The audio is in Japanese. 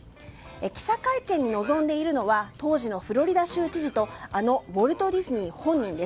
記者会見に臨んでいるのは当時のフロリダ州知事とあのウォルト・ディズニー本人。